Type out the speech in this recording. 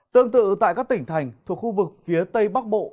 tương tự tại các tỉnh thành thuộc khu vực phía tây bắc bộ